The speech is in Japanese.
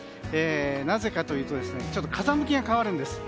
なぜかというと風向きが変わるんです。